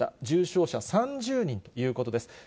重症者３０人ということです。